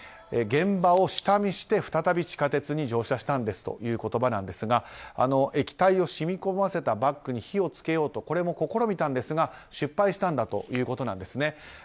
現場を下見して再び地下鉄に乗車したんですという言葉ですが液体を染み込ませたバッグに火を付けようとこれも試みたんですが失敗したんだということなんですね。